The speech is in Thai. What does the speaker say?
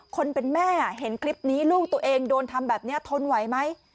คนเป็นแม่เห็นคลิปนี้ลูกตัวเองโดนทำแบบนี้ทนไหวไหม